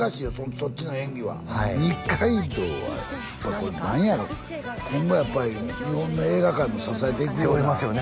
そっちの演技は二階堂はやっぱこれ何やろ今後やっぱり日本の映画界を支えていくような背負いますよね